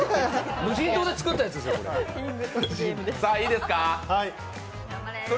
無人島で作ったやつですよ、これ。